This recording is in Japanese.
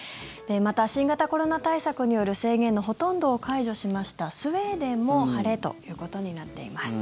また、新型コロナ対策による制限のほとんどを解除しましたスウェーデンも晴れということになっています。